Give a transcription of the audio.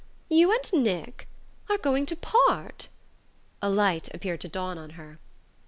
You and Nick are going to part?" A light appeared to dawn on her.